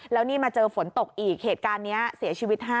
แล้วนี่มาเจอฝนตกอีกเหตุการณ์นี้เสียชีวิต๕